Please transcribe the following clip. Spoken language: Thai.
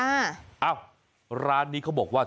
อ้าวร้านนี้เขาบอกว่า